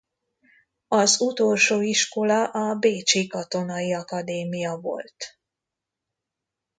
Az utolsó iskola a bécsi katonai akadémia volt.